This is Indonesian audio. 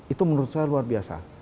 itu menurut saya luar biasa